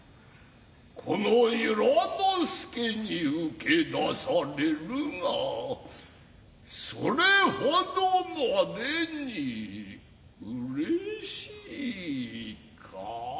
此の由良之助に受け出されるがそれ程までにうれしいか。